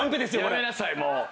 やめなさいもう。